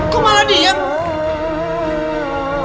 kok malah diem